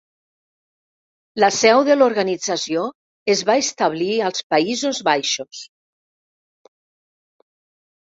La seu de l'organització es va establir als Països Baixos.